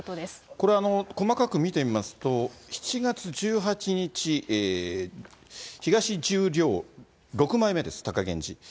これ、細かく見てみますと、７月１８日、東十両６枚目です、貴源治。